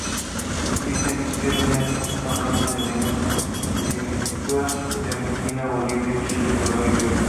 Existen etnias hablantes de lenguas quechuas en Argentina, Bolivia, Chile, Ecuador y Perú.